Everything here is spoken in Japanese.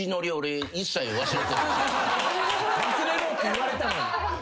忘れろって言われたのに。